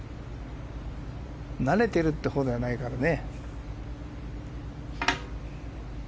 慣れているというほうではないからね。